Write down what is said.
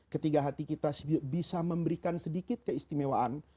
ketika hati kita bisa memberikan sedikit keistimewaan